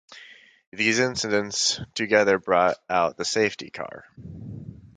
These incidents together brought out the safety car.